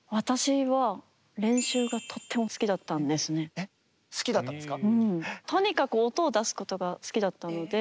え好きだったんですか？